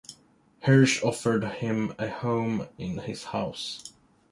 Hirsch offered him a home in his house.